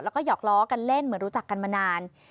แล้วก็หอกล้อกันเล่นเหมือนรู้จักกันมานาน